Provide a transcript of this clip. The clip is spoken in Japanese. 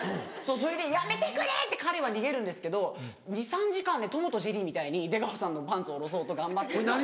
それで「やめてくれ！」って彼は逃げるんですけど２３時間『トムとジェリー』みたいに出川さんのパンツを下ろそうと頑張ってる。